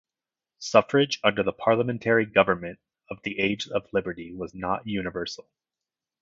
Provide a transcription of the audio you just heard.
Suffrage under the parliamentary government of the Age of Liberty was not universal.